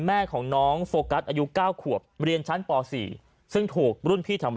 แม่ของน้องโฟกัสอายุ๙ขวบเรียนชั้นป๔ซึ่งถูกรุ่นพี่ทำร้าย